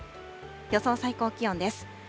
予想最高気温です。